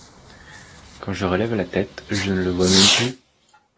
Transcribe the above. Quand je relève la tête, je ne le vois même plus.